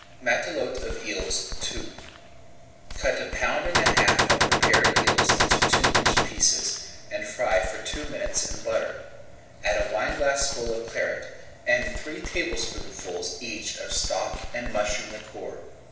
MATELOTE OF EELS II Cut a pound and a half of prepared eels into two inch pieces and fry for two minutes in butter. Add a wineglassful of Claret, and three tablespoonfuls each of stock and mushroom liquor.